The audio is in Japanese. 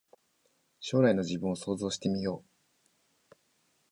将来の自分を想像してみよう